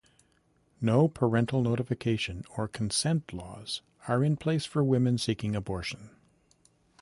No parental notification or consent laws are in place for women seeking abortions.